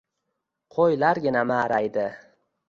Qoʻylargina maʼraydi